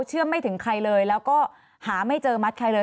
ไม่ถึงใครเลยแล้วก็หาไม่เจอมัดใครเลย